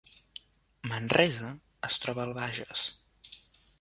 Manresa es troba al Bages